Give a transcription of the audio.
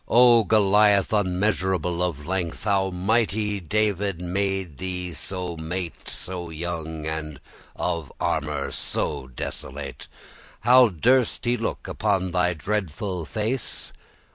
O Goliath, unmeasurable of length, How mighte David make thee so mate?* *overthrown So young, and of armour so desolate,* *devoid How durst he look upon thy dreadful face?